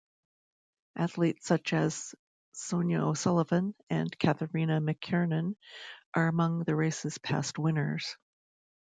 Athletes such as Sonia O'Sullivan and Catherina McKiernan are among the race's past winners.